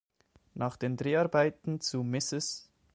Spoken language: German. Nach den Dreharbeiten zu "Mrs.